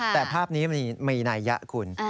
แต่ภาพนี้มีในยะคุณ